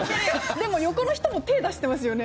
でも横の人も手出してますよね。